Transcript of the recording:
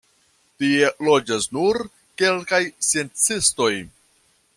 Tie loĝas nur kelkaj sciencistoj.